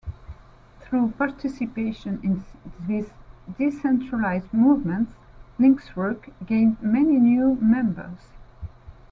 Through participation in these decentralized movements, Linksruck gained many new members.